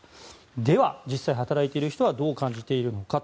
では、実際に働いている人はどう感じているのか。